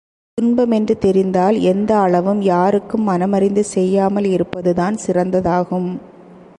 துன்பம் என்று தெரிந்தால் எந்த அளவும் யாருக்கும் மனமறிந்து செய்யாமல் இருப்பதுதான் சிறந்ததாகும்.